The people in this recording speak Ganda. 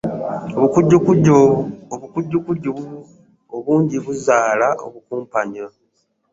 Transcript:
Obukujjukujju obungi buzaala obukumpanya.